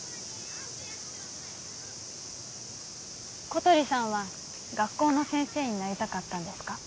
小鳥さんは学校の先生になりたかったんですか？